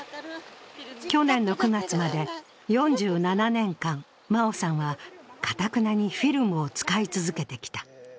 去年の９月まで４７年間、真生さんはかたくなにフィルムを使い続けてきた。